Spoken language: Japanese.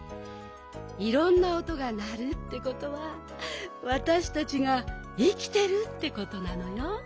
いろんなおとがなるってことはわたしたちがいきてるってことなのよ。